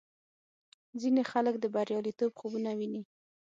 ځینې خلک د بریالیتوب خوبونه ویني.